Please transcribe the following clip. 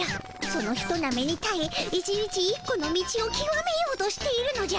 そのひとなめにたえ１日１個の道をきわめようとしているのじゃ。